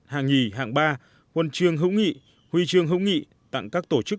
hạng nhì hạng ba huân chương hữu nghị huy chương hữu nghị tặng các tổ chức